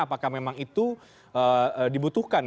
apakah memang itu dibutuhkan